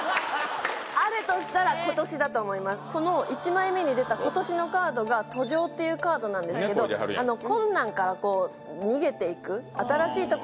この１枚目に出た今年のカードが「途上」っていうカードなんですけど今年かなと思いました